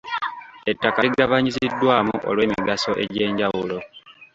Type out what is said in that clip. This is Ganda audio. Ettaka ligabanyiziddwamu olw'emigaso egy'enjawulo.